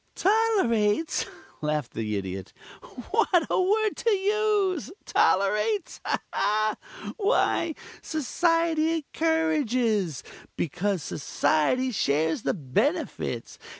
"Tolerates?" laughed the Idiot. "What a word to use! Tolerates? Why, Society encourages, because Society shares the benefits.